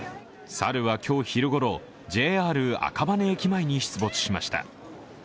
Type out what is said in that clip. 猿は今日昼ごろ、ＪＲ赤羽駅前に出没しました。